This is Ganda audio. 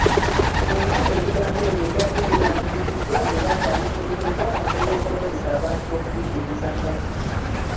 Singa ebigambo ebyo byali biwandiikiddwa era nga bitegekeddwa mu ngeri esobozesa abantu okubijulizangako.